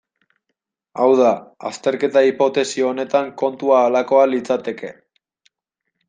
Hau da, azterketa hipotesi honetan kontua halakoa litzateke.